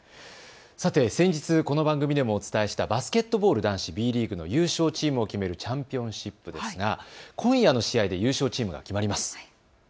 先日この番組でもお伝えしたバスケットボール男子Ｂリーグの優勝チームを決めるチャンピオンシップですが今夜の試合で優勝チームが決まります。